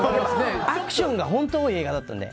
アクションが本当に多い映画だったので。